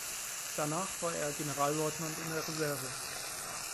Danach war er Generallieutenant in der Reserve.